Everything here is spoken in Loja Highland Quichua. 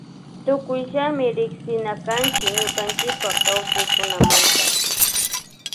Tukuyllami riksina kanchi ñukanchipa kawsaykunamanta.